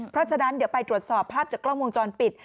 เพราะฉะนั้นเดี๋ยวไปตรวจสอบภาพจากกล้องวงจรปิด